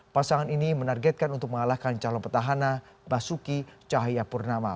pasangan ini menargetkan untuk mengalahkan calon petahana basuki cahayapurnama